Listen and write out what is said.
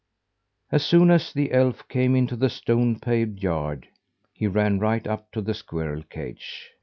As soon as the elf came into the stone paved yard, he ran right up to the squirrel cage.